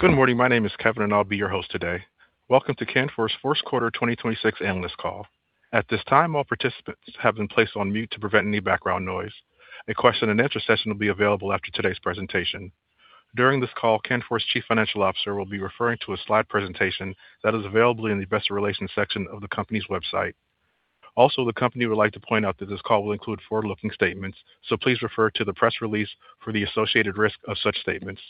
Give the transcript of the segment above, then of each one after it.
Good morning. My name is Kevin, and I'll be your host today. Welcome to Canfor's first quarter 2026 analyst call. At this time, all participants have been placed on mute to prevent any background noise. A question and answer session will be available after today's presentation. During this call, Canfor's Chief Financial Officer will be referring to a slide presentation that is available in the investor relations section of the company's website. Also, the company would like to point out that this call will include forward-looking statements, so please refer to the press release for the associated risk of such statements.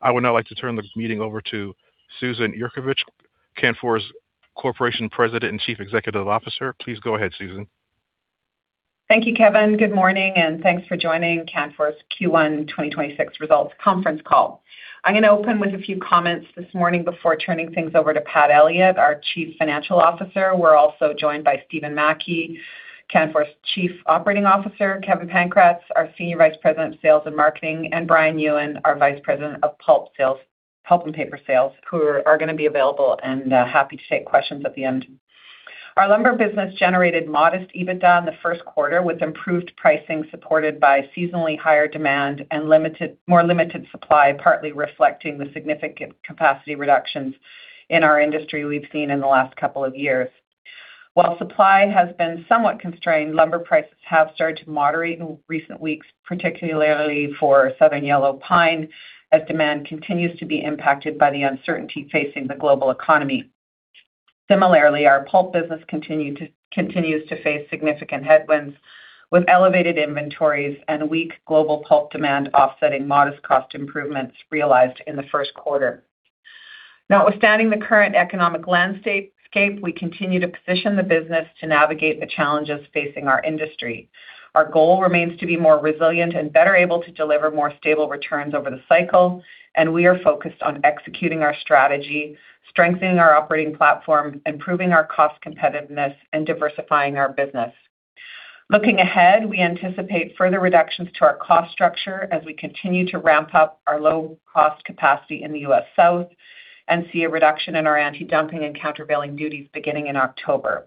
I would now like to turn the meeting over to Susan Yurkovich, Canfor Corporation President and Chief Executive Officer. Please go ahead, Susan. Thank you, Kevin. Good morning and thanks for joining Canfor's Q1 2026 results conference call. I'm gonna open with a few comments this morning before turning things over to Pat Elliott, our Chief Financial Officer. We're also joined by Stephen Mackie, Canfor's Chief Operating Officer, Kevin Pankratz, our Senior Vice President of sales and marketing, and Brian Yuen, our Vice President of pulp and paper sales, who are gonna be available and happy to take questions at the end. Our lumber business generated modest EBITDA in the first quarter with improved pricing supported by seasonally higher demand and more limited supply, partly reflecting the significant capacity reductions in our industry we've seen in the last couple of years. While supply has been somewhat constrained, lumber prices have started to moderate in recent weeks, particularly for southern yellow pine, as demand continues to be impacted by the uncertainty facing the global economy. Similarly, our pulp business continues to face significant headwinds, with elevated inventories and weak global pulp demand offsetting modest cost improvements realized in the first quarter. Notwithstanding the current economic landscape, we continue to position the business to navigate the challenges facing our industry. Our goal remains to be more resilient and better able to deliver more stable returns over the cycle, we are focused on executing our strategy, strengthening our operating platform, improving our cost competitiveness, and diversifying our business. Looking ahead, we anticipate further reductions to our cost structure as we continue to ramp up our low-cost capacity in the U.S. South and see a reduction in our antidumping and countervailing duties beginning in October.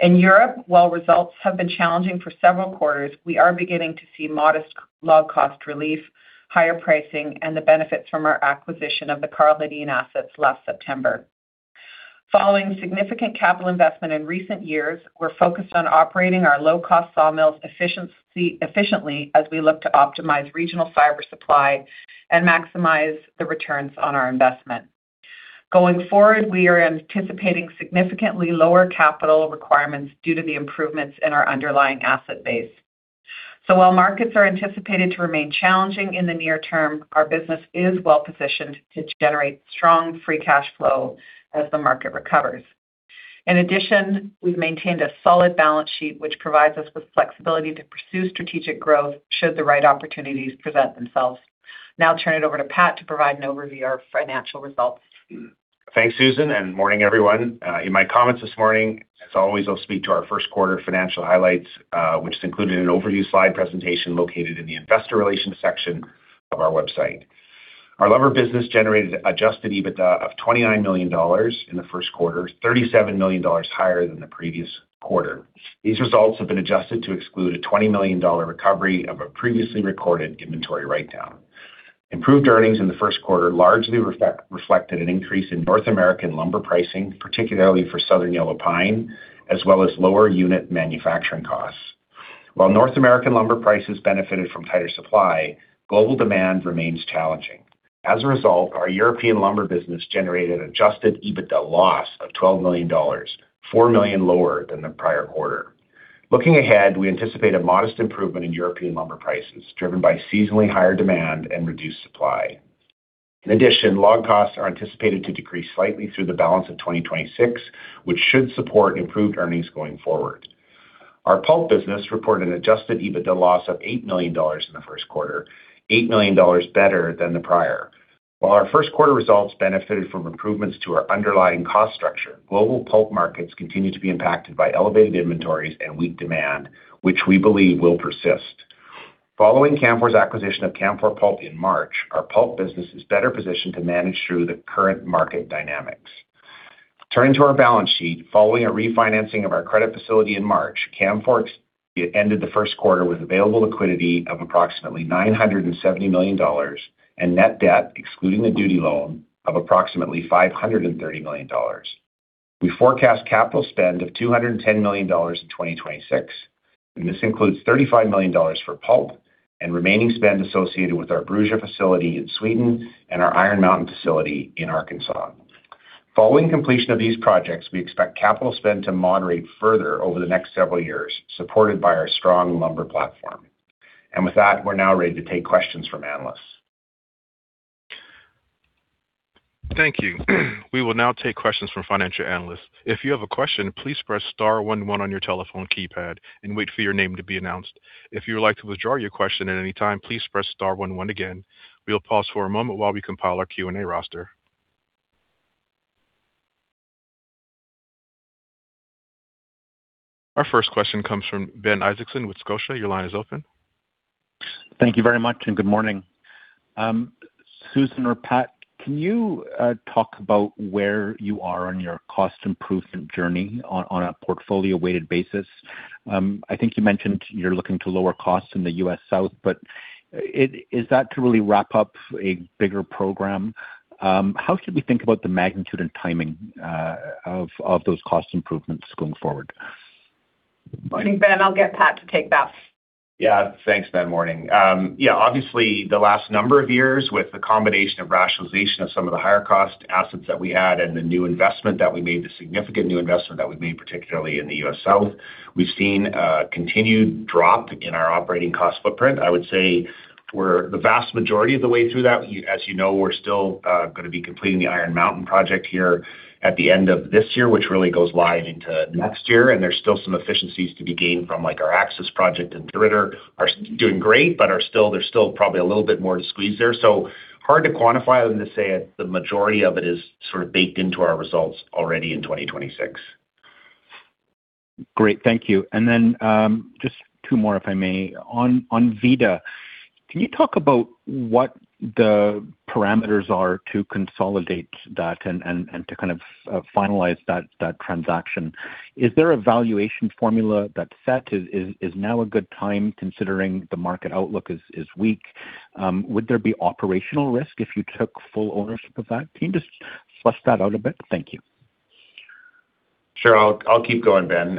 In Europe, while results have been challenging for several quarters, we are beginning to see modest log cost relief, higher pricing, and the benefits from our acquisition of the Karl Hedin assets last September. Following significant capital investment in recent years, we're focused on operating our low-cost sawmills efficiently as we look to optimize regional fiber supply and maximize the returns on our investment. We are anticipating significantly lower capital requirements due to the improvements in our underlying asset base. While markets are anticipated to remain challenging in the near term, our business is well-positioned to generate strong free cash flow as the market recovers. In addition, we've maintained a solid balance sheet, which provides us with flexibility to pursue strategic growth should the right opportunities present themselves. Now I'll turn it over to Pat to provide an overview of our financial results. Thanks, Susan. Morning, everyone. In my comments this morning, as always, I will speak to our first quarter financial highlights, which is included in an overview slide presentation located in the investor relations section of our website. Our lumber business generated adjusted EBITDA of 29 million dollars in the first quarter, 37 million dollars higher than the previous quarter. These results have been adjusted to exclude a 20 million dollar recovery of a previously recorded inventory writedown. Improved earnings in the first quarter largely reflected an increase in North American lumber pricing, particularly for southern yellow pine, as well as lower unit manufacturing costs. While North American lumber prices benefited from tighter supply, global demand remains challenging. As a result, our European lumber business generated adjusted EBITDA loss of 12 million dollars, 4 million lower than the prior quarter. Looking ahead, we anticipate a modest improvement in European lumber prices, driven by seasonally higher demand and reduced supply. Log costs are anticipated to decrease slightly through the balance of 2026, which should support improved earnings going forward. Our pulp business reported an adjusted EBITDA loss of 8 million dollars in the first quarter, 8 million dollars better than the prior. While our first quarter results benefited from improvements to our underlying cost structure, global pulp markets continue to be impacted by elevated inventories and weak demand, which we believe will persist. Following Canfor's acquisition of Canfor Pulp in March, our pulp business is better positioned to manage through the current market dynamics. Turning to our balance sheet, following a refinancing of our credit facility in March, Canfor ended the first quarter with available liquidity of approximately 970 million dollars and net debt, excluding the duty loan, of approximately 530 million dollars. This includes 35 million dollars for pulp and remaining spend associated with our Bruza facility in Sweden and our Iron Mountain facility in Arkansas. Following completion of these projects, we expect capital spend to moderate further over the next several years, supported by our strong lumber platform. With that, we are now ready to take questions from analysts. Thank you. We will now take questions from financial analysts. If you have a question, please Press Star one one on your telephone keypad and wait for your name to be announced. If you would like to withdraw your question at any time, please Press Star one one again. We'll pause for a moment while we compile our Q&A roster. Our first question comes from Ben Isaacson with Scotiabank. Your line is open. Thank you very much, and good morning. Susan or Pat, can you talk about where you are on your cost improvement journey on a portfolio-weighted basis? I think you mentioned you're looking to lower costs in the U.S. South. Is that to really wrap up a bigger program? How should we think about the magnitude and timing of those cost improvements going forward? Thanks, Ben. I'll get Pat to take that. Thanks, Ben. Morning. Obviously, the last number of years with the combination of rationalization of some of the higher cost assets that we had and the new investment that we made, the significant new investment that we made, particularly in the U.S. South, we've seen a continued drop in our operating cost footprint. I would say we're the vast majority of the way through that. As you know, we're still going to be completing the Iron Mountain project here at the end of this year, which really goes live into next year, and there's still some efficiencies to be gained from, like, our Axis project in Thorritter are doing great, but there's still probably a little bit more to squeeze there. Hard to quantify other than to say the majority of it is sort of baked into our results already in 2026. Great. Thank you. Then, just two more, if I may. On Vida, can you talk about what the parameters are to consolidate that and to kind of finalize that transaction? Is there a valuation formula that's set? Is now a good time considering the market outlook is weak? Would there be operational risk if you took full ownership of that? Can you just flush that out a bit? Thank you. Sure. I'll keep going, Ben.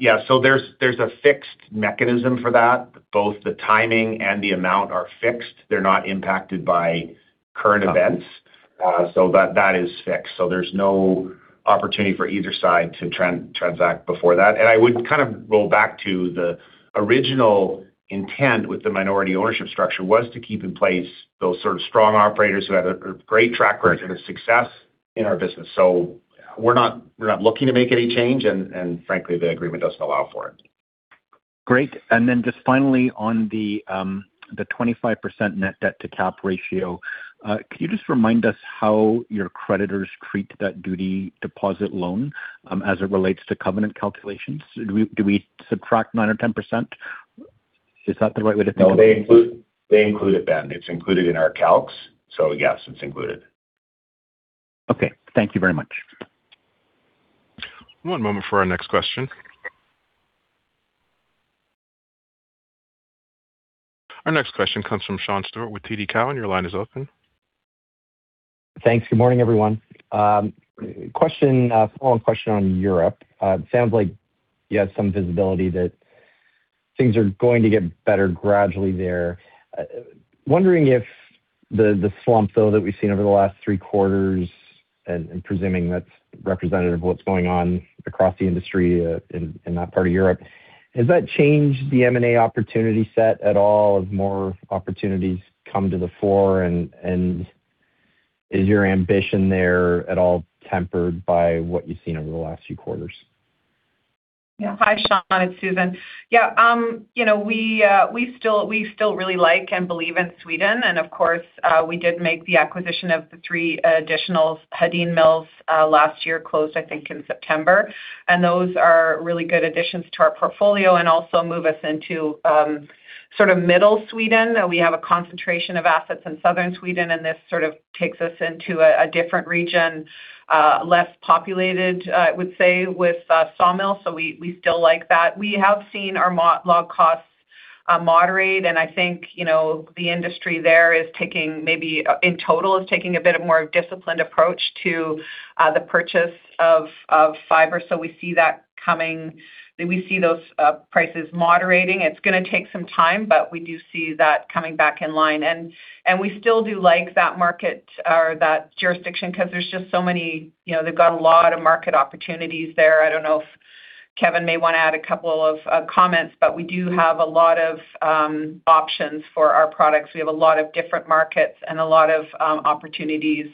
Yeah, there's a fixed mechanism for that. Both the timing and the amount are fixed. They're not impacted by current events. That is fixed. There's no opportunity for either side to transact before that. I would kind of roll back to the original intent with the minority ownership structure was to keep in place those sort of strong operators who had a great track record of success in our business. We're not looking to make any change, and frankly, the agreement doesn't allow for it. Great. Then just finally on the 25% net debt to cap ratio, can you just remind us how your creditors treat that duty deposit loan as it relates to covenant calculations? Do we subtract 9% or 10%? Is that the right way to think of it? No, they include it, Ben. It's included in our calcs. Yes, it's included. Okay. Thank you very much. One moment for our next question. Our next question comes from Sean Steuart with TD Cowen. Your line is open. Thanks. Good morning, everyone. Question, follow-up question on Europe. It sounds like you have some visibility that things are going to get better gradually there. Wondering if the slump though that we've seen over the last three quarters and presuming that's representative of what's going on across the industry in that part of Europe, has that changed the M&A opportunity set at all as more opportunities come to the fore and is your ambition there at all tempered by what you've seen over the last few quarters? Hi, Sean. It's Susan. Yeah. You know, we still really like and believe in Sweden. Of course, we did make the acquisition of the three additional Hedin mills last year, closed, I think, in September. Those are really good additions to our portfolio and also move us into sort of middle Sweden. We have a concentration of assets in southern Sweden. This sort of takes us into a different region, less populated, I would say, with sawmills. We still like that. We have seen our log costs moderate. I think, you know, the industry there in total is taking a bit of more disciplined approach to the purchase of fiber. We see that coming. We see those prices moderating. It's gonna take some time, but we do see that coming back in line. We still do like that market or that jurisdiction because there's just so many, you know, they've got a lot of market opportunities there. I don't know if Kevin may want to add a couple of comments, but we do have a lot of options for our products. We have a lot of different markets and a lot of opportunities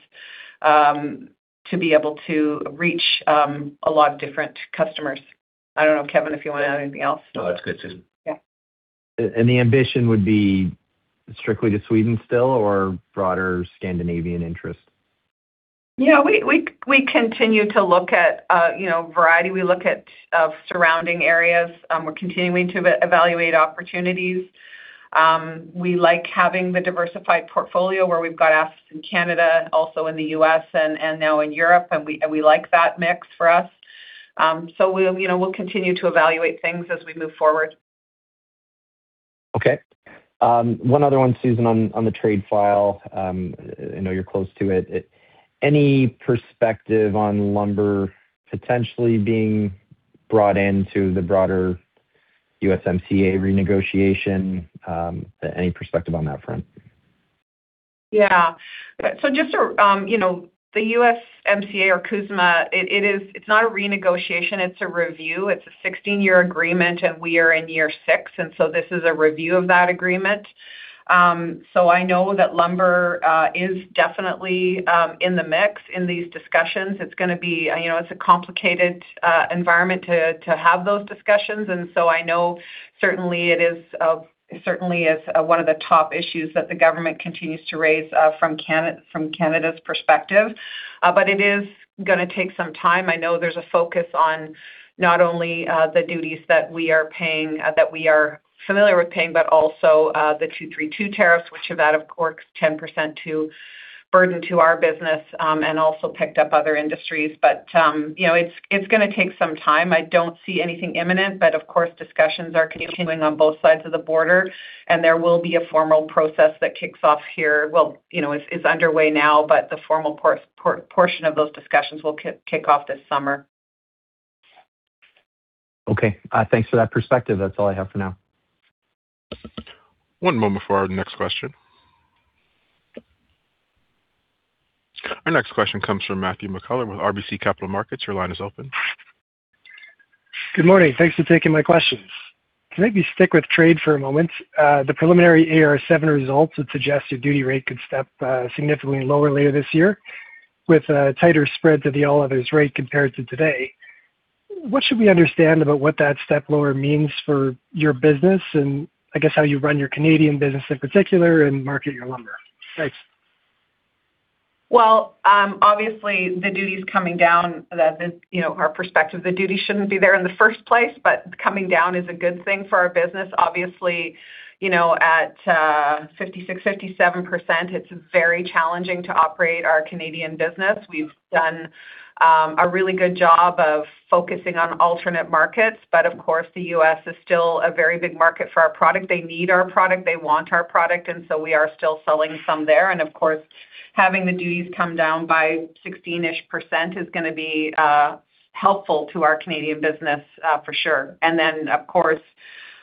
to be able to reach a lot of different customers. I don't know, Kevin, if you want to add anything else. No, that's good, Susan. Yeah. The ambition would be strictly to Sweden still or broader Scandinavian interest? Yeah. We continue to look at, you know, variety. We look at surrounding areas. We're continuing to evaluate opportunities. We like having the diversified portfolio where we've got assets in Canada, also in the U.S. and now in Europe, and we like that mix for us. We'll, you know, we'll continue to evaluate things as we move forward. Okay. One other one, Susan, on the trade file. I know you're close to it. Any perspective on lumber potentially being brought into the broader USMCA renegotiation? Any perspective on that front? Just to, you know, the USMCA or CUSMA, it's not a renegotiation, it's a review. It's a 16-year agreement, we are in year six, this is a review of that agreement. I know that lumber is definitely in the mix in these discussions. It's gonna be, you know, it's a complicated environment to have those discussions. I know certainly it is certainly is one of the top issues that the government continues to raise from Canada's perspective. It is gonna take some time. I know there's a focus on not only the duties that we are paying, that we are familiar with paying, but also the Section 232 tariffs, which are that, of course, 10% burden to our business, and also picked up other industries. You know, it's gonna take some time. I don't see anything imminent, but of course, discussions are continuing on both sides of the border, and there will be a formal process that kicks off here. Well, you know, it's underway now, but the formal portion of those discussions will kick off this summer. Okay. Thanks for that perspective. That's all I have for now. One moment for our next question. Our next question comes from Matthew McKellar with RBC Capital Markets. Your line is open. Good morning. Thanks for taking my questions. Can I maybe stick with trade for a moment? The preliminary AR7 results that suggest your duty rate could step significantly lower later this year with a tighter spread to the all others rate compared to today. What should we understand about what that step lower means for your business and I guess, how you run your Canadian business in particular and market your lumber? Thanks. Obviously the duty is coming down that is, you know, our perspective, the duty shouldn't be there in the first place. Coming down is a good thing for our business. Obviously, you know, at 56%, 57%, it's very challenging to operate our Canadian business. We've done a really good job of focusing on alternate markets. Of course, the U.S. is still a very big market for our product. They need our product, they want our product. We are still selling some there. Of course, having the duties come down by 16-ish% is going to be helpful to our Canadian business for sure. Of course,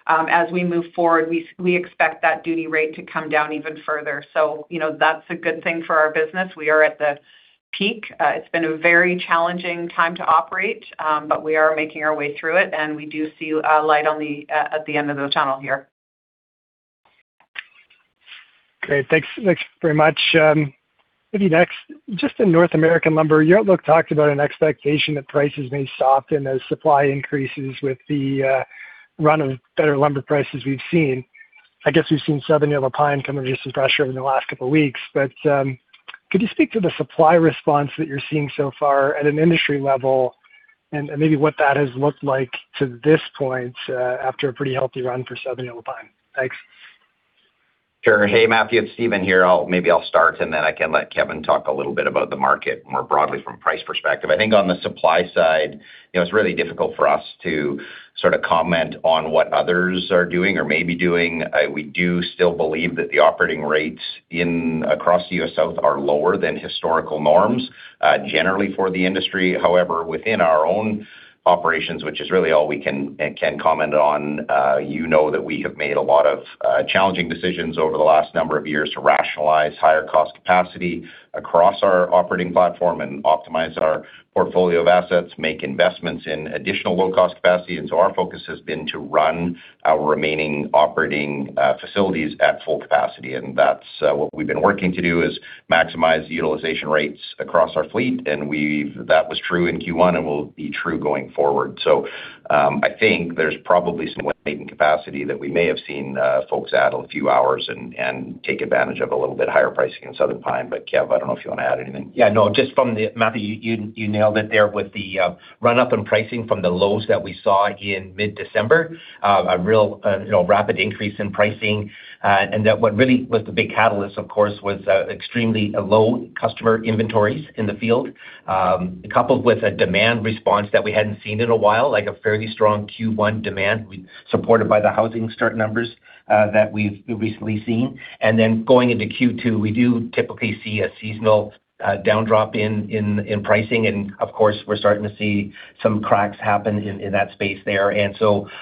as we move forward, we expect that duty rate to come down even further. You know, that's a good thing for our business. We are at the peak. It's been a very challenging time to operate, but we are making our way through it, and we do see a light on the at the end of the tunnel here. Great. Thanks. Thanks very much. Maybe next, just in North American lumber, your outlook talked about an expectation that prices may soften as supply increases with the run of better lumber prices we've seen. I guess we've seen Southern Yellow Pine come under some pressure over the last couple weeks, but could you speak to the supply response that you're seeing so far at an industry level and maybe what that has looked like to this point after a pretty healthy run for Southern Yellow Pine? Thanks. Sure. Hey, Matthew, it's Stephen here. Maybe I'll start, and then I can let Kevin talk a little bit about the market more broadly from a price perspective. I think on the supply side, you know, it's really difficult for us to sort of comment on what others are doing or may be doing. We do still believe that the operating rates in across the U.S. South are lower than historical norms, generally for the industry. However, within our own operations, which is really all we can comment on, you know that we have made a lot of challenging decisions over the last number of years to rationalize higher cost capacity across our operating platform and optimize our portfolio of assets, make investments in additional low-cost capacity. Our focus has been to run our remaining operating facilities at full capacity, and that's what we've been working to do, is maximize the utilization rates across our fleet. That was true in Q1 and will be true going forward. I think there's probably some waiting capacity that we may have seen folks add a few hours and take advantage of a little bit higher pricing in Southern Pine. Kev, I don't know if you wanna add anything. Yeah, no, just Matthew, you nailed it there with the run-up in pricing from the lows that we saw in mid-December. A real, you know, rapid increase in pricing, and that what really was the big catalyst, of course, was extremely low customer inventories in the field, coupled with a demand response that we hadn't seen in a while, like a fairly strong Q1 demand we supported by the housing start numbers that we've recently seen. Going into Q2, we do typically see a seasonal down drop in pricing and of course we're starting to see some cracks happen in that space there.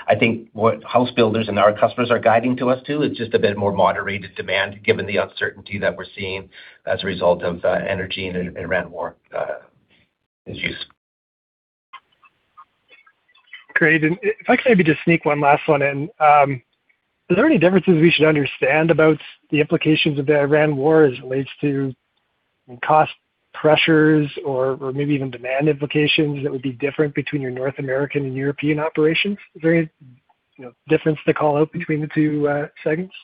I think what house builders and our customers are guiding to us too, is just a bit more moderated demand given the uncertainty that we're seeing as a result of energy and Iran war issues. Great. If I could maybe just sneak one last one in, is there any differences we should understand about the implications of the Iran War as it relates to cost pressures or maybe even demand implications that would be different between your North American and European operations? Very, you know, difference to call out between the two segments?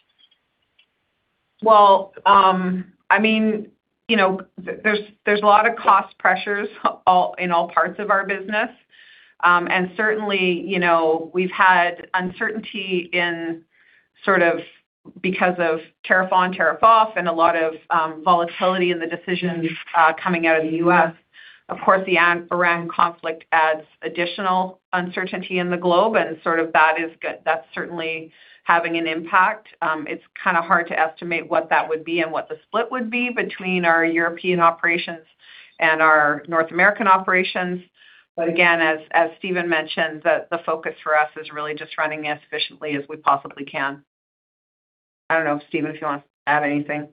Well, I mean, you know, there's a lot of cost pressures all, in all parts of our business. Certainly, you know, we've had uncertainty in sort of because of tariff on, tariff off and a lot of volatility in the decisions coming out of the U.S. Of course, the Iran war adds additional uncertainty in the globe and sort of that's certainly having an impact. It's kind of hard to estimate what that would be and what the split would be between our European operations and our North American operations. Again, as Stephen mentioned, the focus for us is really just running as efficiently as we possibly can. I don't know, Stephen, if you wanna add anything.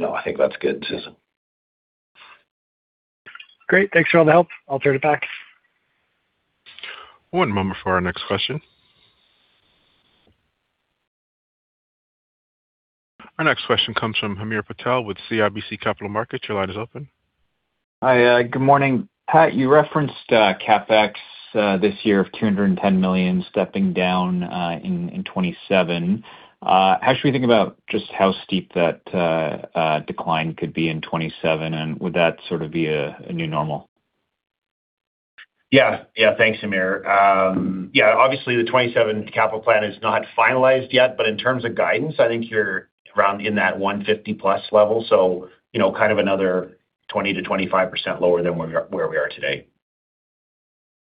No, I think that's good, Susan. Great. Thanks for all the help. I'll turn it back. One moment for our next question. Our next question comes from Hamir Patel with CIBC Capital Markets. Your line is open. Hi, good morning. Pat, you referenced CapEx this year of 210 million stepping down in 2027. How should we think about just how steep that decline could be in 2027, and would that sort of be a new normal? Yeah. Yeah. Thanks, Hamir. Yeah, obviously the 2027 capital plan is not finalized yet, but in terms of guidance, I think you're around in that 150 plus level, so, you know, kind of another 20%-25% lower than where we are today.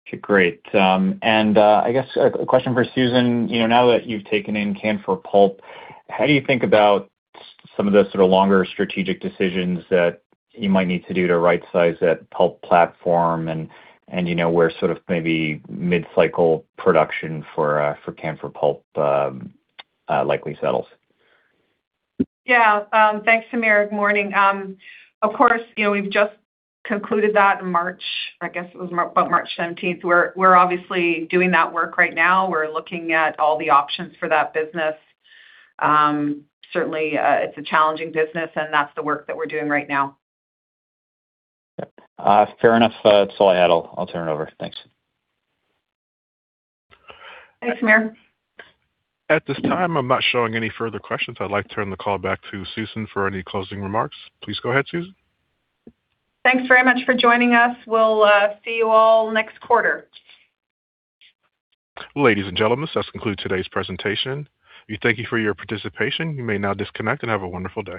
Okay, great. And I guess a question for Susan. You know, now that you've taken in Canfor Pulp, how do you think about some of the sort of longer strategic decisions that you might need to do to right-size that pulp platform and you know, where sort of maybe mid-cycle production for Canfor Pulp likely settles? Yeah. Thanks, Hamir. Morning. Of course, you know, we've just concluded that in March, I guess it was about March 17th. We're obviously doing that work right now. We're looking at all the options for that business. Certainly, it's a challenging business and that's the work that we're doing right now. Yeah. Fair enough. That's all I had. I'll turn it over. Thanks. Thanks, Hamir. At this time, I'm not showing any further questions. I'd like to turn the call back to Susan for any closing remarks. Please go ahead, Susan. Thanks very much for joining us. We'll see you all next quarter. Ladies and gentlemen, this concludes today's presentation. We thank you for your participation. You may now disconnect and have a wonderful day.